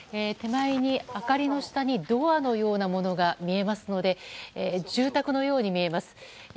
手前に、明かりの下にドアのようなものが見えますので住宅のように見えます。